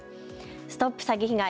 ＳＴＯＰ詐欺被害！